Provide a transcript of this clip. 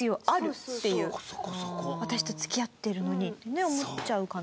私と付き合ってるのにってね思っちゃうかな。